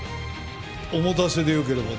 お持たせでよければ。